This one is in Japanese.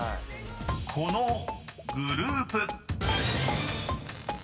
［このグループ］